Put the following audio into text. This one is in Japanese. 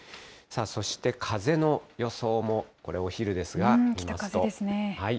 さあ、そして風の予想も、これ、北風ですね。